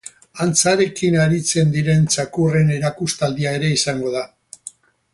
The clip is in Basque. Antzarekin aritzen diren txakurren erakustaldia ere izango da.